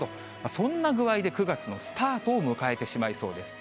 そんな具合で９月のスタートを迎えてしまいそうです。